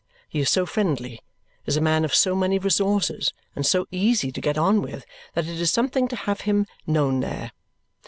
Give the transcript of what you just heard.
He is so friendly, is a man of so many resources, and so easy to get on with, that it is something to have made him known there.